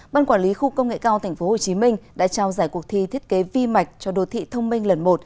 ban quản lý khu công nghệ cao tp hcm đã trao giải cuộc thi thiết kế vi mạch cho đô thị thông minh lần một